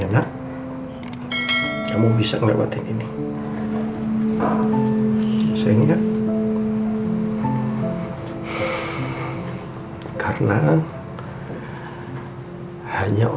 mama tahu sekali gimana perasaan kamu